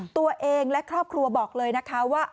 ตัวเองและครอบครัวบอกเลยนะคะว่า